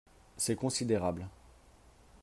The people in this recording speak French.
C’est considérable.